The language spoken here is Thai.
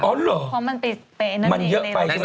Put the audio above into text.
เพราะมันมีเตะนั่นเอง